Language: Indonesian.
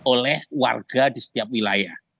oleh warga di setiap wilayah